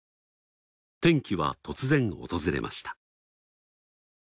転機は突然訪れました。